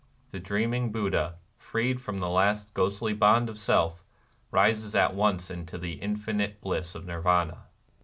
The dreaming Buddha, freed from the last ghostly bond of Self, rises at once into the " infinite bliss " of Nirvana.